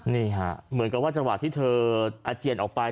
นี่ค่ะเหมือนกับว่าจังหวะที่เธออาเจียนออกไป